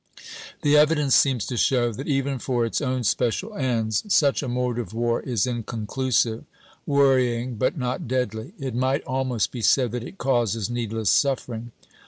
The evidence seems to show that even for its own special ends such a mode of war is inconclusive, worrying but not deadly; it might almost be said that it causes needless suffering.